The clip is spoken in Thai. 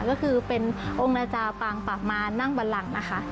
ก็คือเป็นองค์นาจาปางปากมานั่งบันหลังนะคะ